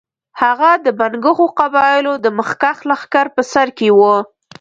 هغه د بنګښو قبایلو د مخکښ لښکر په سر کې وو.